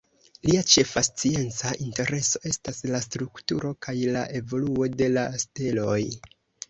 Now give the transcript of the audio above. Lia ĉefa scienca intereso estas la strukturo kaj la evoluo de la steloj.